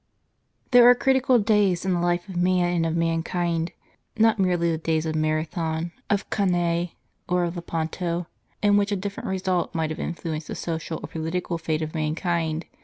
^JIJ^HERE are critical days in the life of man and of nian ^W)!^ kind. Not merely the days of Marathon, of Cannge, ^£^ or of Lepanto, in which a different result might have influenced the social or political fate of man kind.